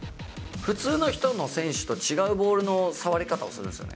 普通の人、選手と違うボールの触り方をするんですよね。